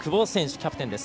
キャプテンです。